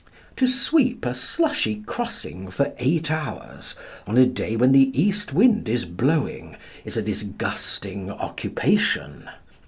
To sweep a slushy crossing for eight hours, on a day when the east wind is blowing is a disgusting occupation.